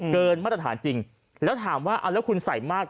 มาตรฐานจริงแล้วถามว่าเอาแล้วคุณใส่มาก